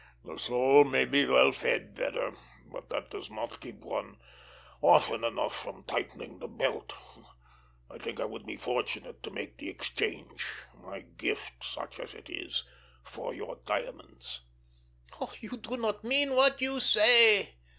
"The soul may be well fed, Vetter, but that does not keep one often enough from tightening the belt! I think I would be fortunate to make the exchange—my gift, such as it is, for your diamonds." "You do not mean what you say!"